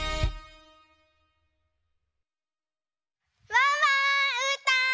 ワンワーンうーたん！